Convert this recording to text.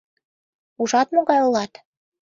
— Ужат, могай улат...